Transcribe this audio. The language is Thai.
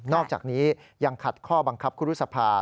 อกจากนี้ยังขัดข้อบังคับครูรุษภา